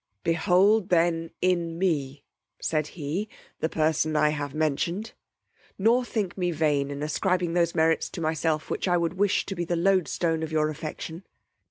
Behold then in me, said he, the person I have mentioned: nor think me vain in ascribing those merits to myself which I would wish to be the loadstone of your affection.